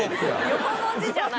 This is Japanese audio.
横文字じゃない。